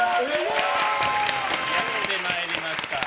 やってまいりました。